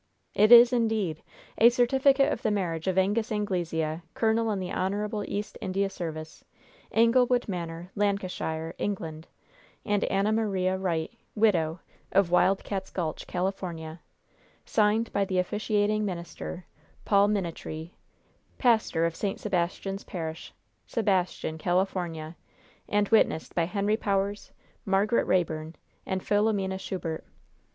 "It is, indeed, a certificate of the marriage of Angus Anglesea, colonel in the Honorable East India service, Anglewood Manor, Lancashire, England, and Ann Maria Wright, widow, of Wild Cats' Gulch, California, signed by the officiating minister, Paul Minitree, pastor of St. Sebastian's Parish, Sebastian, California, and witnessed by Henry Powers, Margaret Rayburn and Philomena Schubert!